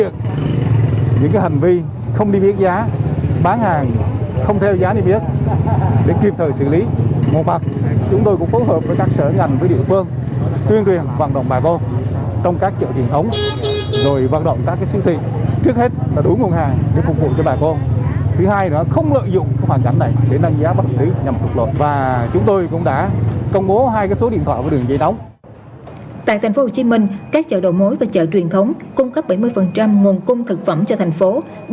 tại thành phố hồ chí minh các chợ đầu mối và chợ truyền thống cung cấp bảy mươi nguồn cung thực phẩm cho thành phố